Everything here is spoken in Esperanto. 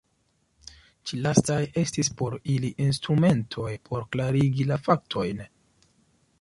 Ĉi lastaj estis por ili instrumentoj por klarigi la faktojn.